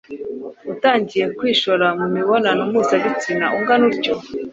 Utangiye kwishora mu mibonano mpuzabitsina ungana utyo!